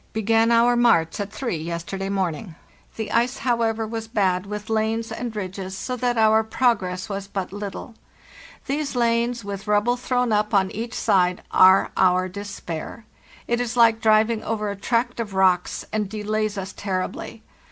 Began our march at three yes terday morning. The ice, however, was bad, with lanes and ridges, so that our progress was but little. These lanes, with rubble thrown up on each side, are our despair. It is lke driving over a tract of rocks, and delays us terribly.